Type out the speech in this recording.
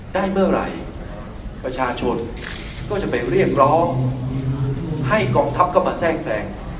ได้เมื่อไหร่ประชาชนก็จะไปเรียกร้องให้กองทัพเข้ามาแทรกแทรง